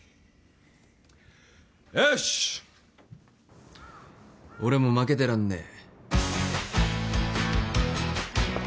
よし俺も負けてらんねえ